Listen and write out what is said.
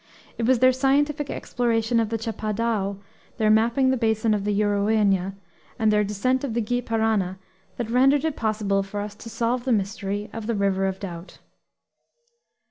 It was their scientific exploration of the chapadao, their mapping the basin of the Juruena, and their descent of the Gy Parana that rendered it possible for us to solve the mystery of the River of Doubt.